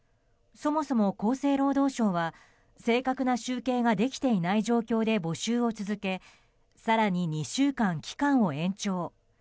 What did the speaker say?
そもそも厚生労働省は正確な集計ができていない状況で募集を続け更に２週間、期間を延長。